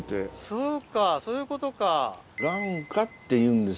そっかそういうことか。